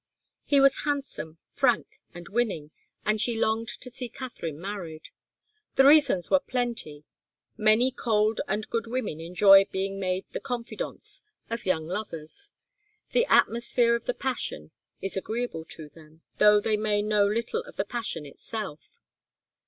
He was handsome, frank, and winning, and she longed to see Katharine married. The reasons were plenty. Many cold and good women enjoy being made the confidantes of young lovers. The atmosphere of the passion is agreeable to them, though they may know little of the passion itself.